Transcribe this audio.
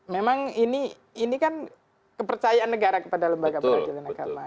memang ini kan kepercayaan negara kepada lembaga peradilan agama